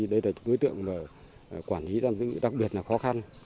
đây là đối tượng quản lý giam giữ đặc biệt là khó khăn